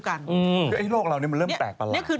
คือโลกเรานี่มันเริ่มแปลกประหลาด